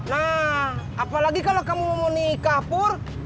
nah apalagi kalau kamu mau nikah pur